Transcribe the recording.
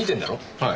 はい。